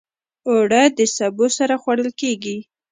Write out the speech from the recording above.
اوړه د سبو سره خوړل کېږي